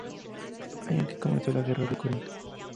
C, año en que comenzó la Guerra de Corinto.